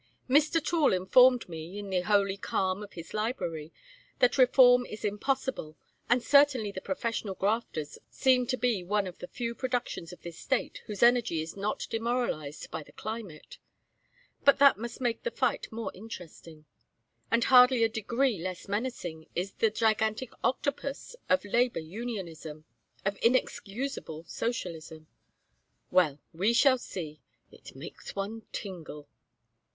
Mr. Toole informed me, in the holy calm of his library, that reform is impossible; and certainly the professional grafters seem to be one of the few productions of this State whose energy is not demoralized by the climate. But that must make the fight more interesting. And hardly a degree less menacing is this gigantic octapus of labor unionism of inexcusable socialism. Well, we shall see! It makes one tingle."